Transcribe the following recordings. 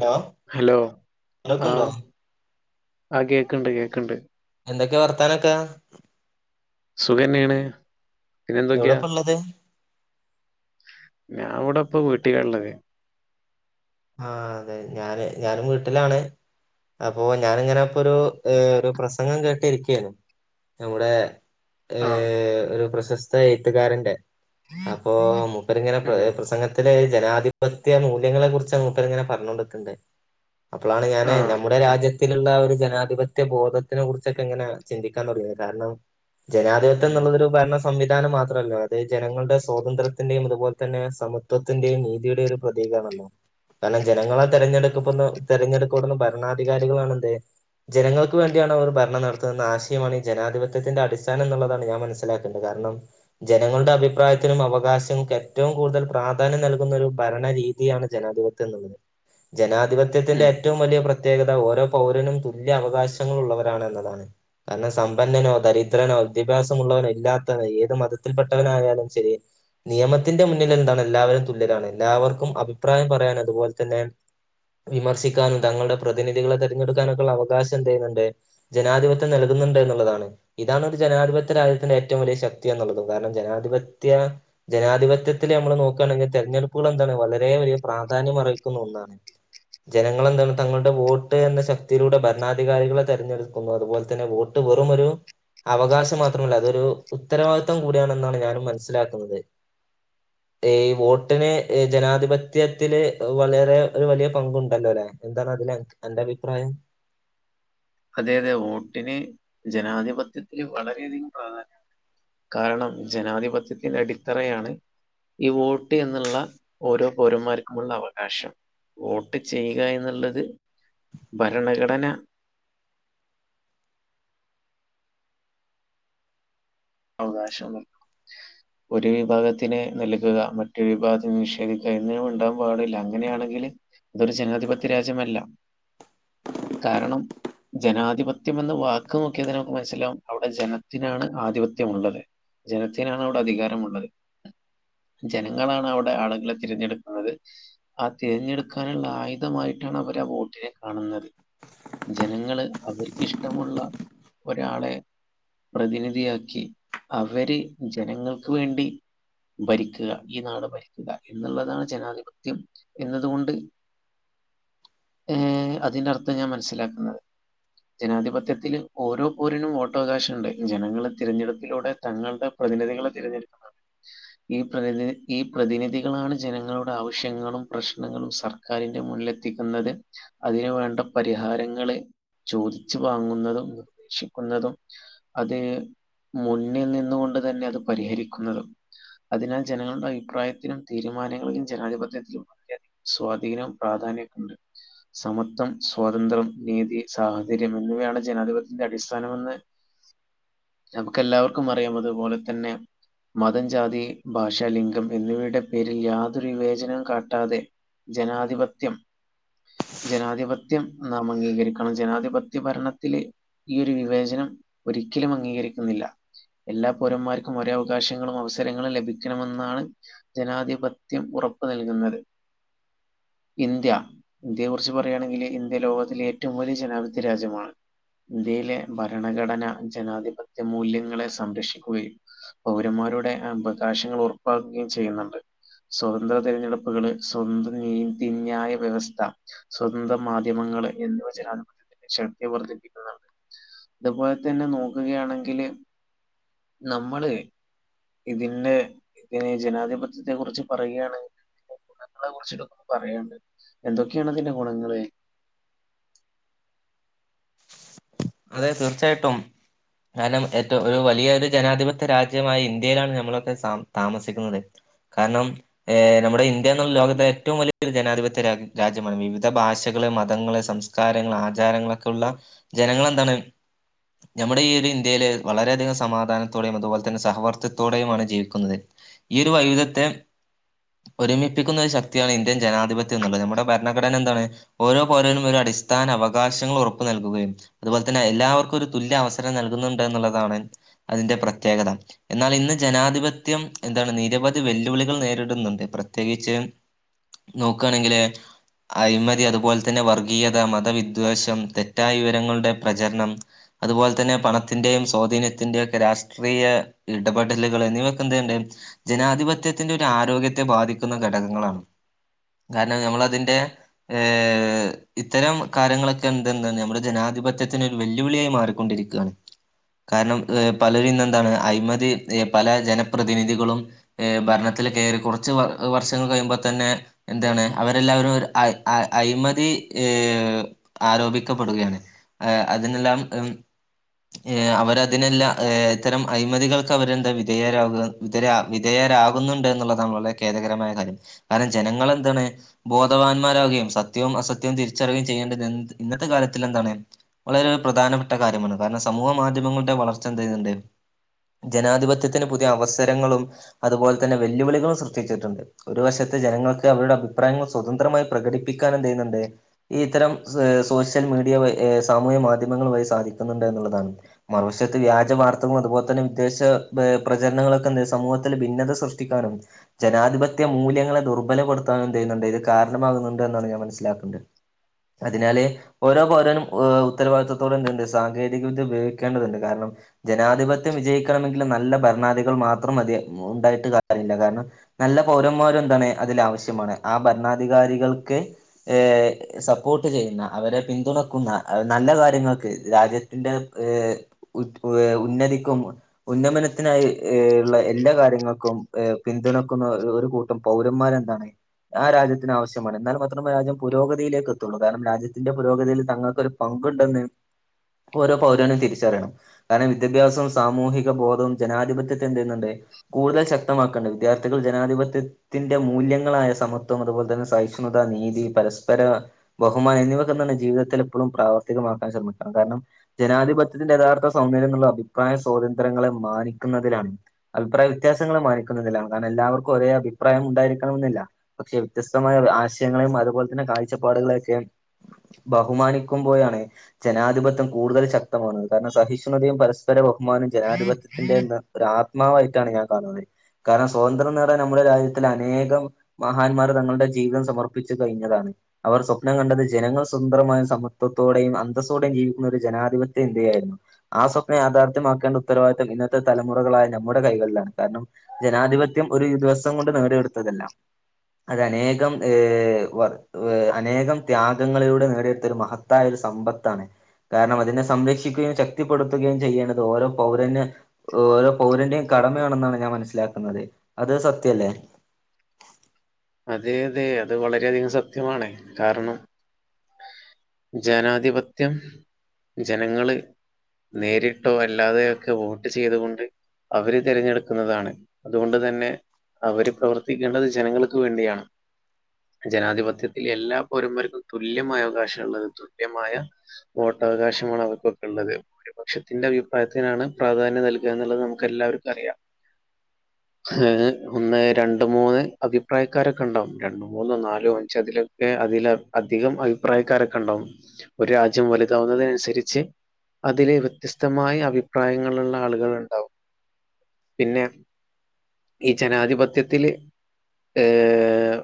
Hello hello കേൾക്കുണ്ടോ ആഹ് ആഹ് കേക്ക്‌ണ്ട് കേക്ക്‌ണ്ട് എന്തൊക്കേ വർത്താനൊക്കെ? സുഖെന്നേണ് എവ്ടെപ്പെള്ളെത്? ഞാൻ ഇവ്ടെപ്പ വീട്ടിലാള്ളെത് ആഹ് അതെ ഞാന് ഞാനും വീട്ട്ലാണ് അപ്പോ ഞാനിങ്ങെനെപ്പൊരൂ ഏഹ് ഒര് പ്രസങ്ങം കേട്ട് ഇരിക്ക്യേന്നു നമ്മുടേ ആഹ് ഏഹ് ഒരു പ്രശസ് ത എയ്ത്ത്കാരെന്റെ അപ്പോ മൂപ്പര്ങ്ങെനെ പ്ര ഉം പ്രസങ്ങ ത്തിലെ ജനാധിപത്യ മൂല്യങ്ങെളെ കുറിച്ച മുപ്പരിങ്ങെനെ പർഞ്ഞാേണ്ട്ക്ക്ണ്ട് അപ്പളാണ് ഞാന് ആഹ് നമ്മുടെ രാജ്യ ത്തില്ള്ള ആ ഒരു ജനാധിപത്യ ബോധത്ത്നെ കുർച്ചൊക്കെ ഇങ്ങെനെ ചിന്തിക്കാം തൊട്ങ്ങ്യേത് കാര്ണം ഉം ജനാധിപത്യംന്ന്ള്ളെതൊരു ഭര്ണ സംവിധാനം മാത്രെല്ലാ അത് ജനങ്ങൾടെ സ്വാതന്ത്രത്തിന്റെയും അത്പോൽ തന്നെ സമത്വത്തിന്റേയും നീതിയുടേം ഒരു പ്രതീകാണാല്ലോ കാര്ണം ജനങ്ങളാൽ തെരെഞ്ഞെട്ക്ക്പ്പ്ന്ന തെരെഞ്ഞെട്ക്കപ്പെട്ന്ന ഭരണാധികാരികളാണെന്ത് ജനങ്ങൾക്ക് വേണ്ടിയാണ് അവർ ഭരണം നടത്ത്ന്നെന്ന ആശയമാണ് ഈ ജനാധിപത്യത്തിന്റെ അടിസ്ഥാനംന്ന്ള്ളെതാണ് ഞാൻ മനസ്സിലാ ക്ക്‌ണ്ട് കാരണം ജനങ്ങൾടെ അഭിപ്രായത്തിനും അവകാശങ്ങക്കും ഏറ്റവും കൂട്തൽ പ്രാധാന്യം നൽകുന്നൊരു ഭരണ രീതിയാണ് ജനാധിപത്യംന്ന്ള്ളെത് ജനാധിപത്യത്തിന്റെ ഉം ഏറ്റവും വലിയ പ്ര പ്രത്യേകത ഓരോ പൗരനും തുല്യ അവകാശങ്ങളുള്ളവരാണ് എന്നതാണ്. കാരണം സമ്പന്നനോ ദരിദ്രനോ വിദ്യാഭ്യാസമുള്ളവനോ ഇല്ലാത്തവനോ ഏത് മതത്തിൽപ്പെട്ടവനായാലും ശെരി നിയമത്തിന്റെ മുന്നില് എന്താണ് എല്ലാവരും തുല്യാരാണ് എല്ലാവർക്കും അഭിപ്രായം പറയാൻ അത്പോലെ തന്നെ വിമർശിക്കാനും തങ്ങളുടെ പ്രതിനിധികളെ തെരഞ്ഞെട്ക്കാനൊക്കെള്ള അവകാശം എന്ത് ചെയ്യ്ന്ന്ണ്ട് ജനാധിപത്യം നൽക്ന്ന്ണ്ട് എന്ന്ള്ളതാണ്. ഇതാണ് ഒരു ജനാധിപത്യ രാജ്യത്തിന്റെ ഏറ്റവും വലിയ ശക്തി എന്ന്ള്ളതും കാരണം ജനാധിപത്യ ജനാധിപത്യത്തില് ഞമ്മള് നോക്കാണെങ്കി തെരഞ്ഞെടുപ്പുകള് എന്താണ് വളരെ വലിയ പ്രാധാന്യം അർഹിക്ക്‌ന്നഒന്നാണ്. ജനങ്ങളെന്താണ് തങ്ങളുടെ വോട്ട് എന്ന ശക്തിയിലൂടെ ഭരണാധികാരികളെ തെരഞ്ഞെട്ക്കുന്നു അത്പോലെ തന്നെ വോ വെറുംമൊരു അവകാശം മാത്രമല്ല അതൊരു ഉത്തരവാദിത്വം കൂടിയണെന്നാണ് ഞാനും മനസ്സിലാക്ക്‌ന്നത്. ഈ വോട്ടിനെ ജനാധിപ ത്യത്തില് വളരെ ഒരു വലിയ പങ്കുണ്ടല്ലോലേ എന്താണ് അതില് അന്റെ അഭിപ്രായം? അതെ അതെ വോട്ടിന് ജനാധിപത്യത്തില് വളരെയധികം പ്രാധാന്യം കാരണം ജനാധിപത്യത്തിന്റെ അടിത്തറയാണ് ഈ വോട്ട് എന്നുള്ള ഓരോ പൗരന്മാർക്കുമുള്ള അവകാശം വോട്ട് ചെയ്യുക എന്നുള്ളത് ഭരണഘടന അവകാശാന്ന് ഒരു വിഭാഗത്തിന് നൽകുക മറ്റൊരു വിഭാഗത്തിന് നിഷേധിക്കുക എന്നന്നും ഉണ്ടാകാൻ പാടില്ല അങ്ങനെയാണെങ്കില് അതൊരു ജനാധിപത്യ രാജ്യമല്ല കാരണം ജനാധിപത്യം എന്ന വാക്ക് നോക്കിയ തന്നെ നമുക്ക് മനസ്സിലാവും അവിടെ ജനത്തിനാണ് ആധിപത്യം ള്ളത് ജനത്തിനാണ് അവിടെ അധികാരമുള്ളത് ജനങ്ങളാണ് അവിടെ ആളുകളെ തിരഞ്ഞെടുക്കുന്നത് ആഹ് തിരഞ്ഞെടുക്കാനുള്ള ആയുധമായിട്ടാണ് അവർ ആഹ് വോട്ടിനെ കാണുന്നത് ജനങ്ങള് അവർക്കിക്ഷ്ടമുള്ള ഒരാളെ പ്രതിനിധിയാക്കി അവര് ജനങ്ങൾക്ക് വേണ്ടി ഭരിക്കുക ഈ നാട് ഭരിക്കുക എന്നുള്ളതാണ് ജനാധിപത്യം എന്നതു കൊണ്ട് ഏഹ് അതിന്റെ അർത്ഥം ഞാൻ മനസ്സിലാക്കുന്നത് ജനാധിപത്യത്തില് ഓരോ പൗരനും വോട്ടവകാശണ്ട് ജനങ്ങളെ തിരഞ്ഞെടു പ്പിലൂടെ തങ്ങളുടെ പ്രതിനിധികളെ തിരഞ്ഞെടുക്കാണ് ഈ പ്രതിനി ഈ പ്രതിനിധികളാണ് ജനങ്ങളുടെ ആവശ്യങ്ങളും പ്രശ്നങ്ങളും സർ കറിന്റെ മോൾല് എത്തിക്കുന്നത് അതിനു വേണ്ട പരിഹാരങ്ങള് ചോദിച്ചു വാങ്ങുന്നതും നിർദേശിക്കുന്നതും അതെ മുന്നിൽ നിന്നു കൊണ്ട് തന്നെ അത് പരിഹരിക്കുന്നതും അതിനാൽ ജനങ്ങളുടെ അഭിപ്രായത്തിനും തീരുമാനങ്ങളിലും ജനാധിപത്യത്തിലു സ്വാധീനം പ്രാധാന്യക്കെണ്ട് സമത്വം, സ്വാതന്ത്ര്യം, നീതി സാഹോദര്യം എന്നിവയാണ് ജനാധിപത്യന്റെ അടിസ്ഥാനമെന്ന് നമുക്ക് എല്ലാവർക്കും അറിയാം അതുപോലെ തന്നെ മതം, ജാതി, ഭാഷാ, ലിംഗം എന്നിവയുടെ പേരിൽ യാതൊരു വിവേചനം കാട്ടാതെ ജനാധിപത്യം ജനാധിപത്യം നാം അംഗീകരിക്കണം ജനാധിപത്യ ഭരണത്തില് ഈ ഒരു വിവേചനം ഒരിക്കലും അംഗീകരിക് ല്ല എല്ലാ പൗരന്മാർക്കും ഒരേ അവകാശങ്ങളും അവസരങ്ങളും ലഭിക്കണമെന്നാണ് ജനാധിപത്യം ഉറപ്പ് നൽകുന്നത്. ഇന്ത്യ ഇന്ത്യയെക്കുറിച്ച് പറയുകയാണെങ്കില് ഇന്ത്യ ലോകത്തിലെ ഏറ്റവും വലിയ ജനാധിപത്യ രാജ്യമാണ് ഇന്ത്യയിലെ ഭരണഘടനാ ജനാധിപത്യ മൂല്യങ്ങളെ സംരക്ഷിക്കുകയും പൗരന്മാരുടെ അവകാശങ്ങൾ ഉറപ്പാക്കുകയും ചെയ്യുന്നുണ്ട് സ്വതന്ത്ര തിരഞ്ഞെടുപ്പുകള് സ്വന്ത നീതിന്യായ വ്യവസ്ഥ സ്വതന്ത്ര മാധ്യമങ്ങള് എന്നിവ ജനാധിപത്യത്തിന്റെ ശക്തി വർധിപ്പിക്കുന്നുണ്ട് അതുപോലെ തന്നെ നോക്കുകയാണെങ്കില് നമ്മള് ഇതിന്ന് ഇനി ജനാധിപത്യത്തെ കുറിച്ച് പറയുകയാണെങ്കില് ഗുണങ്ങളെ കുറിച്ചിട്ടും പറയാണ്ട് എന്തൊക്കെയാണ് അതിന്റെ ഗുണങ്ങള് അതെ തീർച്ചയായിട്ടും കാരണം ഏറ്റവും ഒരു വലിയ ഒരു ജനാധിപത്യ രാജ്യമായ ഇന്ത്യയിലാണ് നമ്മളൊക്കെ താ താമസിക്കുന്നത് കാരണം ഏഹ് നമ്മുടെ ഇന്ത്യ എന്നുള്ള ലോകത്തെ ഏറ്റവും വലിയൊരു ജനാധിപത്യ രാ രാജ്യമാണ് വിവിധ ഭാഷകള് മതങ്ങള് സംസ് കാരങ്ങള് ആചാരങ്ങളൊക്കെ ഉള്ള ജനങ്ങൾളെന്താണ് ഞമ്മുടെ ഈ ഒരു ഇന്ത്യയില് വളരെയധികം സമാധാനത്തോടെയും അതുപോലെ തന്നെ സഹവർത്തത്തോടെയുമാണ് ജീവിക്കുന്നത്. ഈയൊരു വൈവിധത്തെ ഒരുമിപ്പിക്കുന്ന ഒരു ശക്തിയാണ് ഇന്ത്യൻ ജനാധിപത്യം എന്നുള്ളത് നമ്മുടെ ഭരണഘടന എന്താണ് ഓരോ പൗരനും ഒരു അടിസ്ഥാന അവകാശങ്ങൾ ഉറ പ്പ് നൽകുകയും അതുപോലെ തന്നെ എല്ലാവർക്കും ഒരു തുല്യ അവസരം നൽകുന്നുണ്ട് എന്നുള്ളതാണ് അതിന്റെ പ്രത്യേകത എന്നാൽ ഇന്ന് ജനാധിപത്യം എന്താണ് നിരവധി വെല്ലുവിളികൾ നേരിടുന്നുണ്ട് പ്രത്യേകിച്ച് നോക്കാണെങ്കില് അഴിമതി അതുപോലെ തന്നെ വർഗീയത, മതവിദ്വേഷം തെ റ്റായ വിവരങ്ങളുടെ പ്രചരണം അതുപോലെ തന്നെ പണത്തിന്റെയും സ്വാധീനത്തിൻ്റെ ഒക്കെ രാഷ്ട്രീയ ഇടപെടലുകൾ എന്നിവയൊക്കെ എന്തെയെണ്ട് ജനാധിപത്യത്തിന്റെ ഒരു ആരോഗ്യത്തെ ബാധിക്കുന്ന ഘടകങ്ങളാണ്. കാരണം ഞമ്മളതിന്റെ ഏഹ് ഇത്തരം കാര്യങ്ങളൊക്കെ എന്ത് [unintelligible] നമ്മുടെ ജനാധിപത്യത്തിന് ഒരു വെല്ലുവിളിയായി മാറിക്കൊണ്ടിരിക്കാണ്. കാരണം പലരും ഇന്നെന്താണ് അഴിമതി പല ജനപ്രതിനിധികളും ഭരണത്തില് കെയറി കൊറച്ച് വ വർഷങ്ങൾ കയിയുമ്പോ തന്നെ എന്താണ് അവരെല്ലാവരും ഒരു അ അയ് അയ്മതി ഏഹ് ആരോപി ക്കപ്പെടുകയാണ് ഏഹ് അതിനെല്ലാം ഉം ഏഹ് അവരതിനെല്ല ഏഹ് ഇത്തരം അയിമതികൾക്ക് അവരെന്താ വിധേയരാവുക വിധര വിധേയരാകുന്നുണ്ട് എന്നുള്ളതാ വളരെ ഖേദകരമായ കാര്യം കാരണം ജനങ്ങൾ എന്താണ് ബോധവാന്മാരകുകയും സത്യവും അസത്യവും തിരിച്ചറിയുകയും ചെയ്യേണ്ടത് എന്ത് ഇന്ന ത്തെ കാലത്തിൽ എന്താണ് വളരെ പ്രധാനപ്പെട്ട കാര്യമാണ് കാരണം സമൂഹ മാധ്യമങ്ങളുടെ വളർച്ച എന്ത് ചെയ്യുന്നുണ്ട് ജനാധിപത്യത്തിന് പുതിയ അവസരങ്ങളും അതുപോലെ തന്നെ വെല്ലുവിളികളും സൃഷ്ടിച്ചിട്ടുണ്ട് ഒരു വശത്തെ ജനങ്ങൾക്ക് അവരുടെ അഭിപ്രായങ്ങൾ സ്വതന്ത്രമായി പ്രകടിപ്പിക്കാനെ എന്ത് ചെയ്യുന്നുണ്ട് ഈ ഇത്തരം സ് സോഷ്യൽ മീഡിയ വഴി സാമൂഹ്യ മാധ്യമങ്ങൾ വഴി സാധിക്കുന്നുണ്ട് എന്നുള്ളതാണ് മറുവശത്ത് വ്യാജ വാർത്തകളും അതുപോലെ തന്നെ വിദ്വേശ പ്രചരണങ്ങളൊക്കെ സമൂഹത്തിെ ഭിന്നത സൃഷ്ടിക്കാനും ജനാധിപത്യ മൂല്യങ്ങളെ ദുർബലപ്പെടുത്താനും എന്തെയ്യുന്നുണ്ട് ഇത് കാരണമാകുന്നുണ്ട് എന്നാണ് ഞാൻ മനസ്സിലാക്കണ്ട് അതിനാല് ഓരോ പൗരനും ഉത്തരവാദിത്തതോടെ എന്തുണ്ട് സാങ്കേതികവിദ്യ ഉപയോഗിക്കേണ്ടതുണ്ട് കാരണം ജനാധിപത്യം വിജയിക്കണമെങ്കിൽ നല്ല ഭരണാധികൾ മാത്രം മതി ഉണ്ടായിട്ട് കാര്യല്ല കാരണം നല്ല പൗരന്മാരും എന്താണ് അതിൽ ആവശ്യമാണ് ആ ഭരണാധികാരികൾക്ക് ഏഹ് സപ്പോർട്ട് ചെയ്യുന്ന അവരെ പിന്തുണക്കുന്ന നല്ല കാര്യങ്ങൾക്ക് രാജ്യത്തിൻറെ ഏഹ് ഉ ഏ ഉന്നതിക്കും ഉന്നമനത്തിനായി ഉള്ള എല്ലാ കാര്യങ്ങൾക്കും പിന്തുണക്കുന്ന ഒരു കൂ പൗരന്മാരെന്താണ് ആ രാജ്യത്തിന് ആവശ്യമാണ് എന്നാ മാത്രമേ രാജ്യം പുരോഗതിയിലേക്ക് എത്തുള്ളൂ കാരണം രാജ്യത്തിന്റെ പുരോഗതിയിൽ തങ്ങൾക്കൊരു പങ്കുണ്ടെന്ന് ഓരോ പൗരനും തിരിച്ചറിയണം. കാരണം വിദ്യാഭ്യാസവും സാമൂഹിക ബോധവും ജനാധിപത്യ ചെയ്യണ്ട് കൂടുതൽ ശക്തമാക്കണ്ട് വിദ്യാർത്ഥികൾ ജനാധിപത്യം ത്തിന്റെ മൂല്യങ്ങളായ സമത്വം അതുപോലെ തന്നെ സഹിഷ്ണത നീതി, പരസ്പര ബഹുമാനം എന്നിവ ജീവിതത്തിൽ എപ്പോഴും പ്രാവർത്തികമാക്കാൻ ശ്രമിക്കണം. കാരണം ജനാധിപത്യത്തിന്റെ യഥാർത്ഥ സൗന്ദര്യംന്ന്ള്ള അഭിപ്രായ സ്വാതന്ത്ര്യങ്ങളെ മാനിക്കുന്നതിലാണ് അഭിപ്രായ വ്യത്യാസങ്ങള മാനിക്കുന്നതിലാണ്. കാരണം എല്ലാവർക്കും ഒരേ അഭിപ്രായം ഉണ്ടായിരിക്കണമെന്നില്ല പക്ഷെ വ്യത്യസ്തമായ ആശയങ്ങളെയും അതുപോലെ തന്നെ കാഴ്ചപ്പാടുകളെയൊക്കെ ബഹുമാനിക്കുമ്പോയാണ് ജനാധിപത്യം കൂടുതൽ ശക്തമാമാണ്ത്. കാരണം സഹിഷ്ണതയും പരസ്പരവും ബഹ്മാനും ജനാധിപത്യത്തിന്റെ ഒ ആത്മാവായിട്ടാണ് ഞാൻ കാണുന്നത് കാരണം സ്വാതന്ത്ര്യം നേറാൻ നമ്മുടെ രാജ്യത്തി അനേകം മഹാന്മാര് തങ്ങളുടെ ജീവിതം സമർപ്പിച്ചു കഴിഞ്ഞതാണ്. അവർ സ്വപ്നം കണ്ടത് ജനങ്ങൾ സുന്ത്രമായും സമത്വത്തോടെയും അന്തസ്ത്തോടെയും ജീവിക്കുന്ന ഒരു ജനാധിപത്യം ഇന്ത്യയായിരുന്നു ആ സ്വപ്നം യാഥാർത്ഥ്യമാക്കേണ്ട് ഉത്തരവാദിത്വം ഇന്നത്തെ തലമുറകളായ നമ്മുടെ കൈകളിലാണ് കാരണം ജനാധിപത്യം ഒരു ദിവസം കൊണ്ട് നേടിയെടുത്തതല്ല അത് അനേകം ഏഹ് വ അനേകം ത്യാഗങ്ങളിലൂടെ നേടിയെടുത്ത ഒരു മഹത്തായ ഒരു സമ്പത്താണ് കാരണം അതിനെ സംരക്ഷിക്കുകയും ശക്തിപ്പെടുത്തുകയും ചെയ്യണത് ഓരോ പൗരന് ഓരോ പൗരന്റെയും കടമയാണെന്നാണ് ഞാൻ മനസ്സിലാക്കുന്നത് അത് സത്യല്ലേ? അതെയതെ അത് വളരെയധികം സത്യമാണ്. കാരണം ജനാധിപത്യം ജനങ്ങള് നേരിട്ടോ അല്ലാതെയോക്കെ വോട്ട് ചെയ്തുകൊണ്ട് അവര് തിരഞ്ഞെടുക്കുന്നതാണ്. അതുകൊണ്ട് തന്നെ അവര് പ്രവർത്തിക്കേണ്ടത് ജനങ്ങള് ക്ക് വേണ്ടിയാണ് ജനാധിപത്യത്തിൽ എല്ലാപൗരന്മാർക്കും തുല്യമായ അവകാശള്ളത് തുല്യമായ വോട്ടവകാശമാണ് അവർക്കൊക്കെ ള്ളത് ഭൂരിപക്ഷത്തിന്റെ അഭിപ്രായത്തിനാണ് പ്രാധാന്യം നൽകുകന്നുള്ളത് നമുക്കെ എല്ലാവർക്കും അറിയാം ഏഹ് ഒന്ന് രണ്ട് മൂന്ന് അഭി അഭിപ്രായക്കാരൊക്കെണ്ടാവും രണ്ടോ മൂന്നോ നാലോ അഞ്ച് അതിലൊക്കെ അതിൽ അധികം അഭിപ്രായക്കാരൊക്കെണ്ടാവും ഒരു രാജ്യം വലുതാവുന്നതിനനുസരിച്ച് അതില് വ്യത്യസ്തമായ അഭിപ്രായങ്ങളുള്ള ആളുകളിണ്ടാവും പിന്ന ഈ ജനാധിപത്യത്തില് ഏഹ്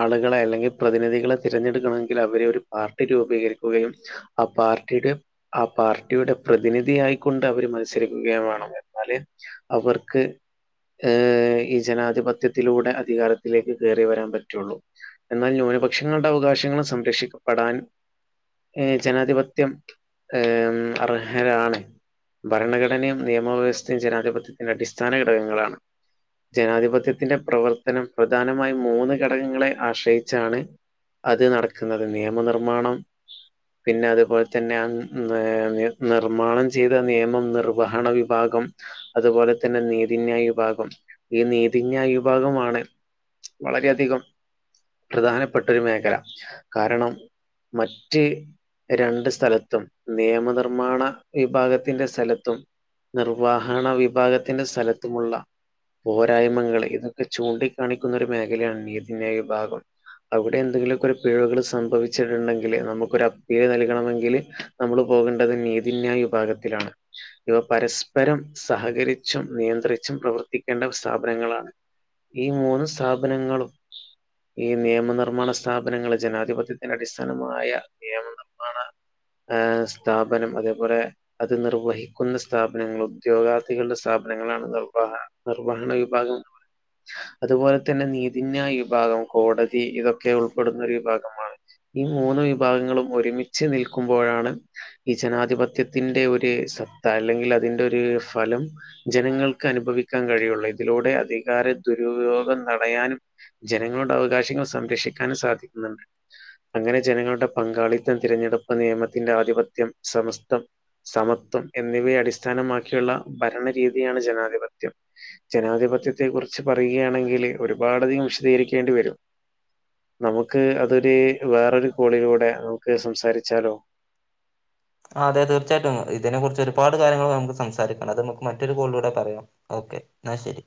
ആളുകളെ അല്ലെങ്കി പ്രതിനിധികളെ തിരഞ്ഞെടുക്കണമെങ്കിൽ അവരോരു പാർട്ടി രൂപീകരിക്കുകയും ആ പാർട്ടിടെ ആ പാർട്ടിയുടെ പ്രതിനിധിയായിക്കൊണ്ട് അവര് മത്സരിക്കുകയും വേണം എന്നാല് അവർക്ക് ഏഹ് ഈ ജനാധിപത്യത്തിലൂടെ അധികാരത്തിലേക്ക് കേറി വരാൻ പറ്റുള്ളൂ എന്നാ ന്യൂനപക്ഷങ്ങളുടെ അവകാശങ്ങൾ സംരക്ഷിക്കപ്പെടാൻ ഏഹ് ജനാധിപത്യം ഏഹ് അർഹരാണ് ഭരണഘടനയും നിയമവ്യവസ്ഥയും ജനാധിപത്യത്തിന് അടിസ്ഥാന ഘടകങ്ങളാണ് ജനാധിപത്യത്തിന്റെ പ്രവർത്തനം പ്രധാനമായും മൂന്ന് ഘടകങ്ങളെ ആശ്രയിച്ചാണ് അത് നടക്ന്നത് നിയമനിർമ്മാണം പിന്നെ അതുപോലെ തന്നെ ഏ നിർമ്മാണം ചെയ്ത നിയമ നിർവഹണ വിഭാഗം അതുപോലെ തന്നെ നീതിന്യായ വിഭാഗം ഈ നീതിന്യായ വിഭാഗമാണ് വളരെയധികം പ്രധാനപ്പെട്ടൊരു മേഖല കാരണം മറ്റ് രണ്ട് സ്ഥലത്തും നിയമനിർമ്മാണ വിഭാഗത്തിന്റെ സ്ഥലത്തും നിർവ്വാഹണ വിഭാഗത്തിന്റെ സ്ഥലത്തുമുള്ള പോരായ്മകൾ ഇതൊക്കെ ചൂണ്ടി കാണിക്കുന്നൊരു മേഖലയാണ് നീതിന്യായ വിഭാഗം അവിടെ ന്തെങ്കിലുമൊക്കെ പിഴവുകൾ സംഭവിച്ചിട്ടുണ്ടെങ്കില് നമുക്കൊരു അപ്പീല് നൽകണമെങ്കില് നമ്മള് പോകണ്ടത് നീതിന്യായ വിഭാഗത്തിലാണ് ഇവ പരസ്പരം സഹകരിച്ചും നിയന്ത്രിച്ചും പ്രവർത്തിക്കേണ്ട സ്ഥാപനങ്ങളാണ് ഈ മൂന്ന് സ്ഥാപനങ്ങളും ഈ നിയമനിർമ്മാണ സ്ഥാപനങ്ങള് ജനാധിപത്യത്തിന് അടിസ്ഥാനമായ നിയമനിർമ്മാണ ഏഹ് സ്ഥാപനം അതേപോലെ അത് നിർവഹിക്കുന്ന സ്ഥാപനങ്ങൾ ഉദ്യോഗാർത്ഥികളുടെ സ്ഥാപനങ്ങളാണ് നിർവഹ നിർവഹണ വിഭാഗം അതുപോലെ തന്നെ നീതിന്യായ വിഭാഗം കോടതി ഇതൊക്കെ ഉൾപ്പെടുന്ന ഒരു വിഭാഗമാണ് ഈ മൂന്ന് വിഭാഗങ്ങളും ഒരുമിച്ച് നിൽക്കുമ്പോഴാണ് ഈ ജനാധിപത്യത്തിന്റെ ഒരു സത്ത അല്ലെങ്കിൽ അതിന്റെ ഒരു ഫലം ജനങ്ങൾക്ക് അനുഭവിക്കാ കഴിയുള്ളൂ ഇതിലൂടെ അധികാരൻ ദുരുപയോഗം തടയാനും ജനങ്ങളുടെ അവകാശങ്ങൾ സംരക്ഷിക്കാനും സാധിക്കുന്നുണ്ട് അങ്ങനെ ജനങ്ങളുടെ പങ്കാളിത്തം തിരഞ്ഞെടുപ്പ് നിയമത്തിന്റെ ആധിപത്യം സമസ്തം സമത്വം എന്നിവയെ അടിസ്ഥാനമാക്കിയുള്ള ഭരണരീതിയാണ് ജനാധിപത്യം ജനാധിപത്യത്തെ കുറിച്ച് പറയുകയാണെങ്കില് ഒരുപാടധികം വിശദീകരിക്കേണ്ടി വരും നമുക്ക് അതൊരു വേറൊരു കോളിലൂടെ നമുക്ക് സംസാരിച്ചാലോ ആഹ് അതെ തീർച്ചയായിട്ടും ഇതിനെ കുറിച്ച് ഒരുപാട് കാര്യങ്ങൾ നമുക്ക് സംസാരിക്കണം അത് നമുക്ക് മറ്റൊരു കോളിലൂടെ പറയാം ഓക്കെ ന്ന ശരി